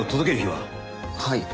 はい。